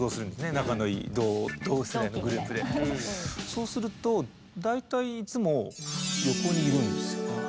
そうすると大体いつも横にいるんですよね。